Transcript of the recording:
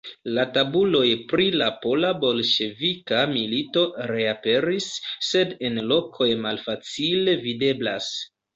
La tabuloj pri la pola-bolŝevika milito reaperis, sed en lokoj malfacile videblaj.